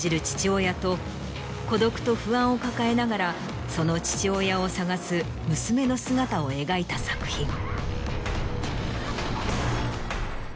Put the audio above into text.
父親と孤独と不安を抱えながらその父親を捜す娘の姿を描いた作品。